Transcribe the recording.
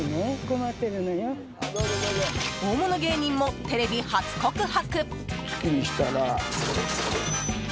大物芸人もテレビ初告白。